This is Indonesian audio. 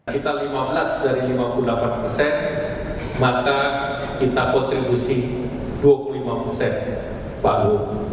kita lima belas dari lima puluh delapan persen maka kita kontribusi dua puluh lima persen palu